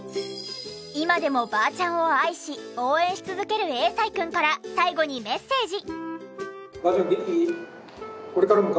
今でもばーちゃんを愛し応援し続ける永才くんから最後にメッセージ。